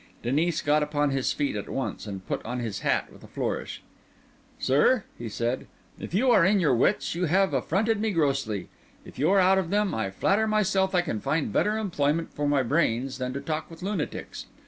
Denis got upon his feet at once, and put on his hat with a flourish. "Sir," he said, "if you are in your wits, you have affronted me grossly. If you are out of them, I flatter myself I can find better employment for my brains than to talk with lunatics.